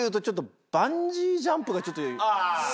がちょっと。